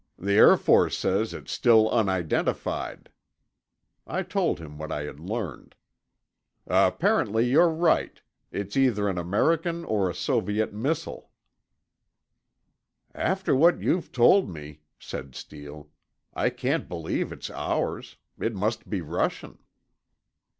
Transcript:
"The Air Force says it's still unidentified." I told him what I had learned. "Apparently you're right—it's either an American or a Soviet missile." "After what you've told me," said Steele, "I can't believe it's ours. It must be Russian."